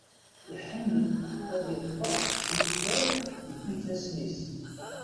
Iḥemmel ad iṭṭef iwtal deg ifassen-is.